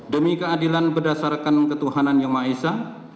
demi keadilan berdasarkan ketuhanan yang maha esa